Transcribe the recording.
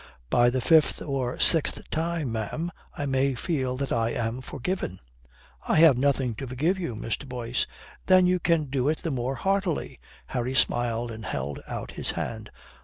"By the fifth or sixth time, ma'am, I may feel that I am forgiven." "I have nothing to forgive you, Mr. Boyce." "Then you can do it the more heartily." Harry smiled and held out his hand.